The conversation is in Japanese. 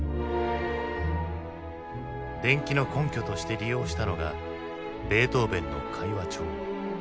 伝記の根拠として利用したのがベートーヴェンの会話帳。